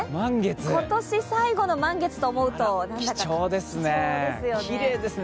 今年最後の満月と思うと貴重ですね。